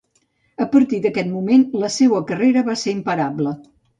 A partir d'aquest moment la seua carrera va ser imparable.